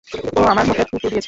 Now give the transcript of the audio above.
ও আমার মুখে থুথু দিয়েছে!